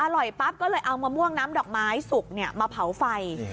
ปั๊บก็เลยเอามะม่วงน้ำดอกไม้สุกมาเผาไฟ